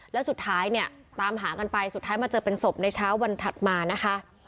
แล้วสุดท้ายเนี่ยตามหากันไปสุดท้ายมาเจอเป็นศพในเช้าวันถัดมานะคะ